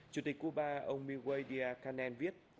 chủ tịch cuba ông miguel dia canel viết